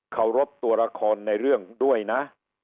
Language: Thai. เคารพตัวละครในเรื่องด้วยนะ